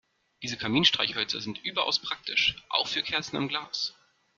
Diese Kaminstreichhölzer sind überaus praktisch, auch für Kerzen im Glas.